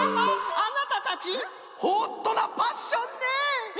あなたたちホットなパッションね！